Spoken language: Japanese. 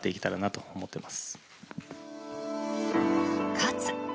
勝つ。